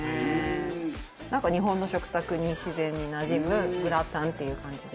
「なんか日本の食卓に自然になじむグラタンっていう感じで」